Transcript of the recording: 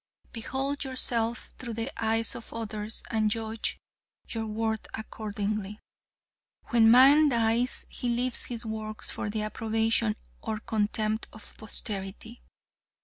Behold yourself through the eyes of others and judge your worth accordingly. When man dies he leaves his works for the approbation or contempt of posterity.